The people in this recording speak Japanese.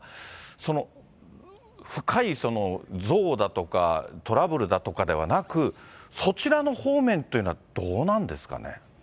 その深い憎悪だとかトラブルだとかではなく、そちらの方面というのは、どうなんですかね。